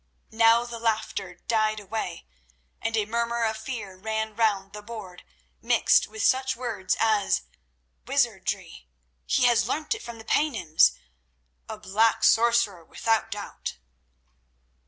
Now the laughter died away, and a murmur of fear ran round the board, mixed with such words as "Wizardry." "He has learnt it from the Paynims." "A black sorcerer, without doubt."